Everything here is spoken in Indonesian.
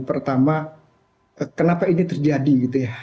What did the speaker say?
pertama kenapa ini terjadi gitu ya